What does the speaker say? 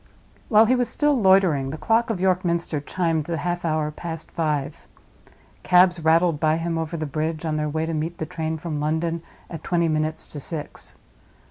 While he was still loitering, the clock of York Minster chimed the half hour past five. Cabs rattled by him over the bridge on their way to meet the train from London, at twenty minutes to six.